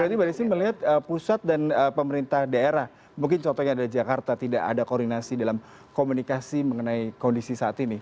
berarti mbak desi melihat pusat dan pemerintah daerah mungkin contohnya ada jakarta tidak ada koordinasi dalam komunikasi mengenai kondisi saat ini